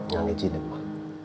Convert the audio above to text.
yang ini dia mah